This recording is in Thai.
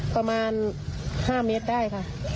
ประมาณ๕เมตรได้ค่ะ